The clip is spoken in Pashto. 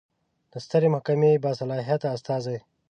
د سترې محکمې باصلاحیته استازی